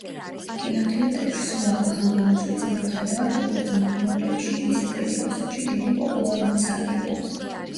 კინოთეატრებში სულ ახლახან გამოსვლის მიუხედავად, როგორც მაყურებლებში, ისე კრიტიკოსებში დიდი პოპულარობით სარგებლობს.